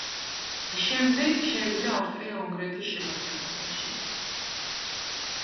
შემდეგ შევიდა ავსტრია-უნგრეთის შემადგენლობაში.